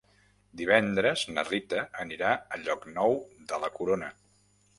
Divendres na Rita anirà a Llocnou de la Corona.